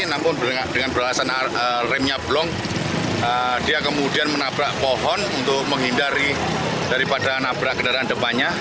namun dengan beralasan remnya blong dia kemudian menabrak pohon untuk menghindari daripada nabrak kendaraan depannya